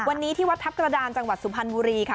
วันนี้ที่วัดทัพกระดานจังหวัดสุพรรณบุรีค่ะ